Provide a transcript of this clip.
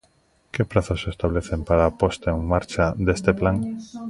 ¿Que prazos se establecen para a posta en marcha deste plan?